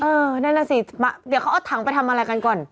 นั่นแหละสิเดี๋ยวเขาเอาถังไปทำอะไรกันก่อน